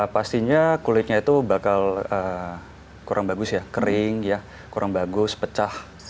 pastinya kulitnya itu bakal kurang bagus ya kering kurang bagus pecah